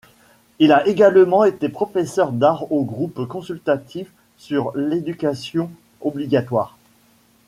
Il a également été Professeur d'art au groupe consultatif sur l'éducation obligatoire.